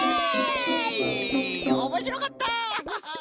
おもしろかった！